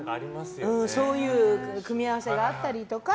そういう組み合わせがあったりとか。